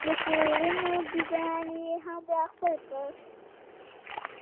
د کورونو ډیزاین یې هم را خپل کړل.